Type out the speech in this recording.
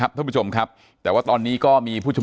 อย่างที่บอกไปว่าเรายังยึดในเรื่องของข้อ